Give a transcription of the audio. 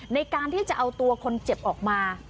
ในการที่จะเอาตัวคนเจ็บออกมา